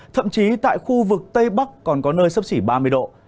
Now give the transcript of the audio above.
thậm chí tại khu vực tây bắc còn có nơi sấp xỉ ba mươi độ